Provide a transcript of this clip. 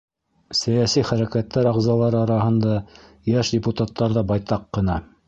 Сәйәси хәрәкәттәр ағзалары араһында йәш депутаттар ҙа байтаҡ ҡына.